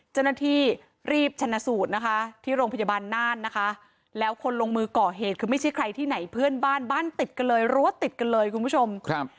เจ้าหน้าที่รีบชนะสูตรนะคะที่โรงพยาบาลน่านนะคะแล้วคนลงมือก่อเหตุคือไม่ใช่ใครที่ไหนเพื่อนบ้านบ้านติดกันเลยรั้วติดกันเลยคุณผู้ชมครับ